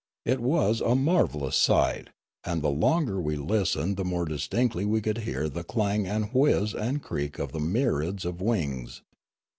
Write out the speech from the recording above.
It was Noola 417 a marvellous sight, and the longer we listened the more distinctly could we hear the clang and whizz and creak of the myriads of wings.